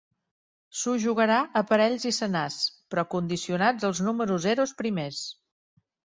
S'ho jugarà a parells i senars, però condicionats als número eros primers.